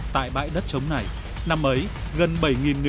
tại bãi đất chống này năm ấy gần bảy người đông